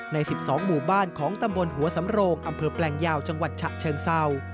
ใน๑๒หมู่บ้านของตำบลหัวสำโรงอำเภอแปลงยาวจังหวัดฉะเชิงเศร้า